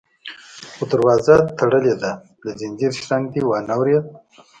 _خو دروازه تړلې ده، د ځنځير شرنګ دې وانه ورېد؟